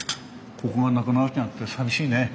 ここがなくなっちゃうってさみしいね。